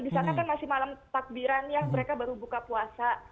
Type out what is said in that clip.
di sana kan masih malam takbiran ya mereka baru buka puasa